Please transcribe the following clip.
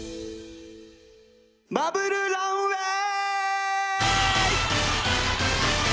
バブルランウェイ！